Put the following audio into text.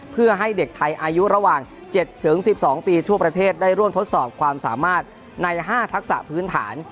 เพื่อให้เด็กไทยอายุระหว่าง๗๑๒ปีทั่วประเทศได้ร่วมทดสอบความสามารถใน๕ทักษะพื้นฐาน